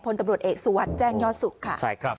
พลตำรวจเอกสุวัตรแจ้งยอดสุขค่ะ